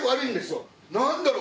何だろう？